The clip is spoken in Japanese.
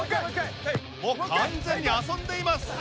もう完全に遊んでいます。